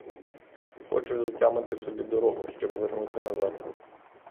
Хочуть затямити собі дорогу, щоб вернути назад.